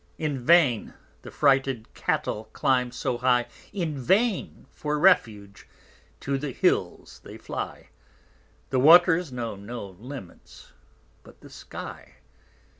In vain the frighted Cattel climb so high, In vain for Refuge to the Hills they fly; The Waters know no Limits but the Sky.